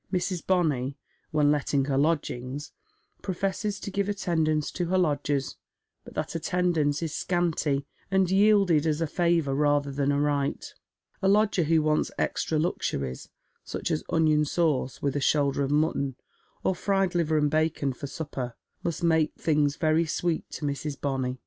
Mrs. Bonny — when letting her lodgings — professes to give attendance to her lodgers, but that attendance is scanty, and yielded as a favour rather than a right. A lodger who wants extra luxuries, such as onion sauce with a shoulder of mutton, or fried liver and bacon for supper, must make things very sweet to Mrs. Bonny.